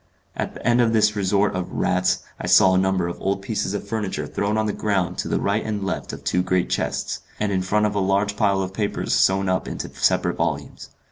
At the end of this resort of rats, I saw a number of old pieces of furniture thrown on the ground to the right and left of two great chests, and in front of a large pile of papers sewn up into separate volumes.